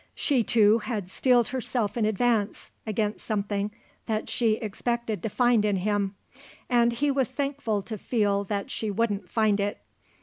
She, too, had steeled herself in advance against something that she expected to find in him and he was thankful to feel that she wouldn't find it.